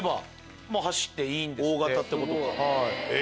大型ってことか。